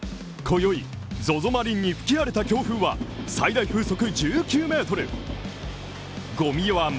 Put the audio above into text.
今宵、ＺＯＺＯマリンに吹き荒れた強風は最大風速１９ｍ。